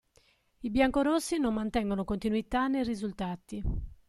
I biancorossi non mantengono continuità nei risultati.